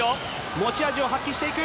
持ち味を発揮していく。